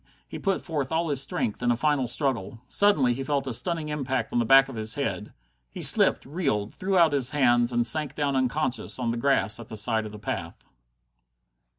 He put forth all his strength in a final struggle. Suddenly he felt a stunning impact on the back of the head. He slipped, reeled, threw out his hands, and sank down unconscious on the grass at the side of the path.